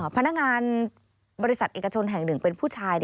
พนักงานบริษัทเอกชนแห่งหนึ่งเป็นผู้ชาย